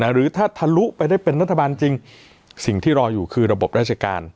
หรือถ้าทะลุไปได้เป็นรัฐบาลจริงสิ่งที่รออยู่คือระบบราชการ